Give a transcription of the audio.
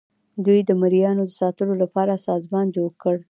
دوی د مرئیانو د ساتلو لپاره سازمان جوړ کړ.